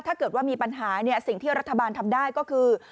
ถ้าเกิดว่ามีปัญหาสิ่งที่รัฐบาลทำได้ก็คือ